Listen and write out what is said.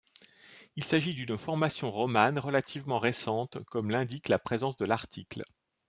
Il s'agit d'une formation romane relativement récente comme l'indique la présence de l'article.